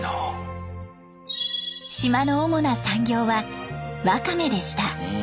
島の主な産業はワカメでした。